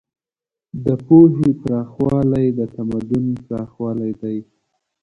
د پوهې پراخوالی د تمدن پراخوالی دی.